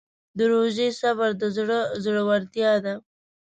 د روژې صبر د زړه زړورتیا ده.